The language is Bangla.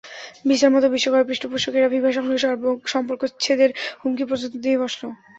ভিসার মতো বিশ্বকাপের পৃষ্ঠপোষকেরা ফিফার সঙ্গে সম্পর্কচ্ছেদের হুমকি পর্যন্ত দিয়ে বসল।